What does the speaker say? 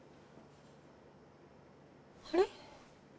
あれ？